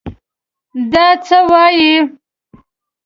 دا څه وايې!